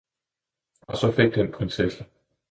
Og så fik den prinsessen.